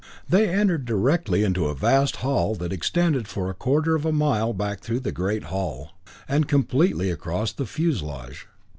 They entered directly into a vast hall that extended for a quarter of a mile back through the great hull, and completely across the fuselage.